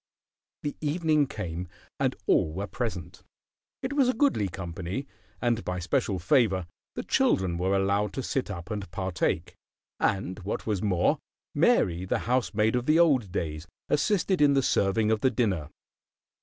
The evening came, and all were present. It was a goodly company, and by special favor the children were allowed to sit up and partake; and, what was more, Mary, the housemaid of the old days, assisted in the serving of the dinner.